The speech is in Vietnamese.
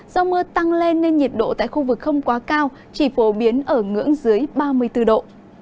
do mưa tăng lên nên nhiệt độ tại khu vực không quá cao chỉ phổ biến ở ngưỡng dưới ba mươi bốn độ